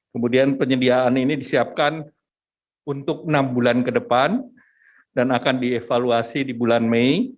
kemudian penyediaan ini disiapkan untuk enam bulan ke depan dan akan dievaluasi di bulan mei